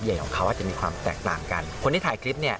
ของเขาอาจจะมีความแตกต่างกันคนที่ถ่ายคลิปเนี่ย